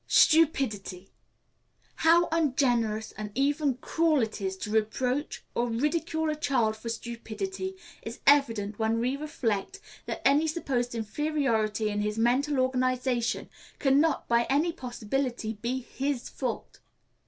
Stupidity. How ungenerous, and even cruel, it is to reproach or ridicule a child for stupidity, is evident when we reflect that any supposed inferiority in his mental organization can not, by any possibility, be his fault.